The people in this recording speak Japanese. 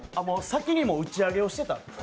先に打ち上げをしてた。